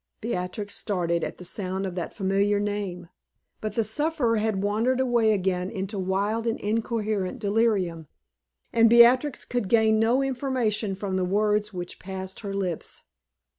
Beatrix started at the sound of that familiar name. But the sufferer had wandered away again into wild and incoherent delirium, and Beatrix could gain no information from the words which passed her lips.